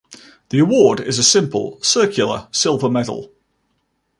The award is a simple, circular, silver medal.